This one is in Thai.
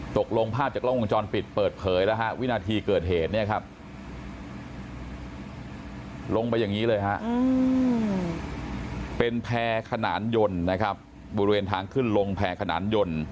ตกลงภาพจากล้องวงจรปิดเปิดเผยแล้วฮะวินาทีเกิดเหตุเนี่ยครับลงไปอย่างนี้เลยฮะเป็นแพร่ขนานยนต์นะครับบริเวณทางขึ้นลงแพร่ขนานยนต์